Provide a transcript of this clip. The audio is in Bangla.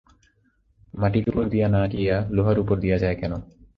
মাটির উপর দিয়া না গিয়া লোহার ওপর দিয়া যায় কেন?